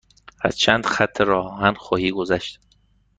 از چند خط راه آهن خواهی گذشت.